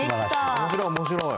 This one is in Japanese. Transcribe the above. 面白い面白い。